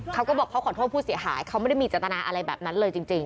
เขาก็บอกเขาขอโทษผู้เสียหายเขาไม่ได้มีเจตนาอะไรแบบนั้นเลยจริง